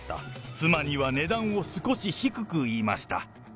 妻には値段を少し低く言いました。